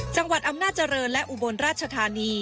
จังหวัดอำนาจริงและอุบลราชธานี